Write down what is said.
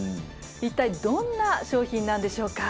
一体どんな商品なんでしょうか？